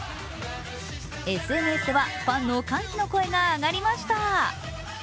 ＳＮＳではファンの歓喜の声が上がりました。